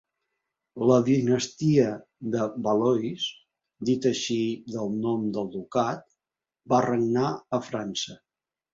La dinastia de Valois, dita així del nom del ducat, va regnar a França.